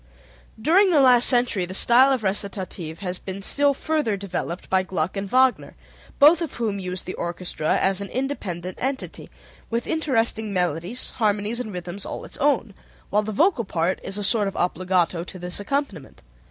During the last century the style of recitative has been still further developed by Gluck and Wagner, both of whom used the orchestra as an independent entity, with interesting melodies, harmonies and rhythms all its own, while the vocal part is a sort of obbligato to this accompaniment.